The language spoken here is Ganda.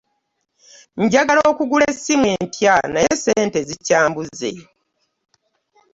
Njagala okugula essimu empya naye ssente zikyambuze.